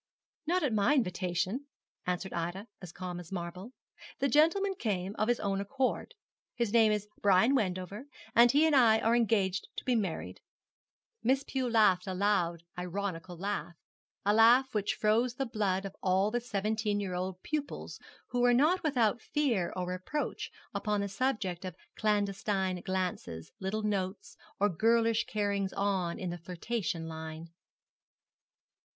'Not at my invitation,' answered Ida, as calm as marble 'The gentleman came of his own accord. His name is Brian Wendover, and he and I are engaged to be married.' Miss Pew laughed a loud ironical laugh, a laugh which froze the blood of all the seventeen year old pupils who were not without fear or reproach upon the subject of clandestine glances, little notes, or girlish carryings on in the flirtation line.